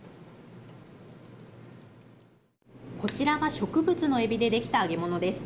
こちらが植物のえびでできた揚げ物です。